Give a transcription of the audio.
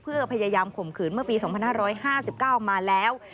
เพื่อพยายามข่มขืนเมื่อปี๒๕๕๙มาแล้ว